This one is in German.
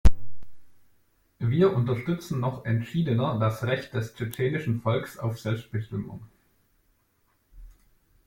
Wir unterstützen noch entschiedener das Recht des tschetschenischen Volkes auf Selbstbestimmung.